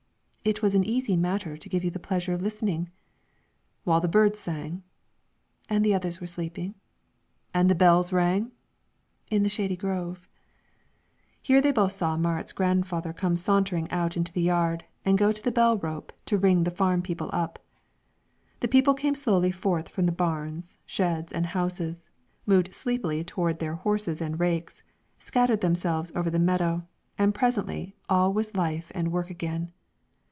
"It was an easy matter to give you the pleasure of listening." "While the birds sang." "And the others were sleeping." "And the bells rang." "In the shady grove." Here they both saw Marit's grandfather come sauntering out into the yard, and go to the bell rope to ring the farm people up. The people came slowly forth from the barns, sheds, and houses, moved sleepily toward their horses and rakes, scattered themselves over the meadow, and presently all was life and work again.